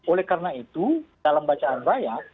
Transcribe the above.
oleh karena itu dalam bacaan saya